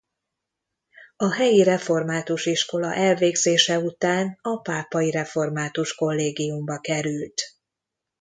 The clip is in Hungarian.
A helyi református iskola elvégzése után a pápai református kollégiumba került.